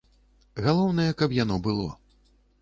Галоўнае, каб яно было.